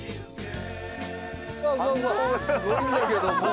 観光がすごいんだけど。